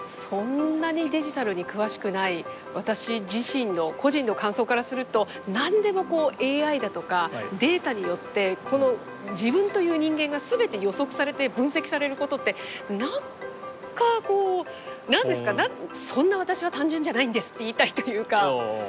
そんなにデジタルに詳しくない私自身の個人の感想からすると何でもＡＩだとかデータによって自分という人間が全て予測されて分析されることって何かこう「そんな私は単純じゃないんです」って言いたいというか。